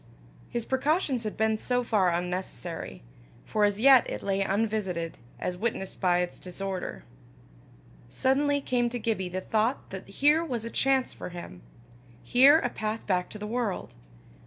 His precautions had been so far unnecessary, for as yet it lay unvisited, as witnessed by its disorder. Suddenly came to Gibbie the thought that here was a chance for him here a path back to the world.